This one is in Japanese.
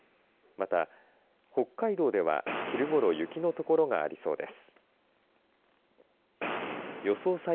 また、北海道では昼ごろ雪の所がありそうです。